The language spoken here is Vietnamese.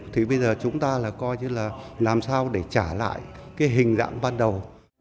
thì bây giờ chúng ta là coi như là làm sao để trả lại cái hình dạng ban đầu